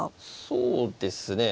そうですね。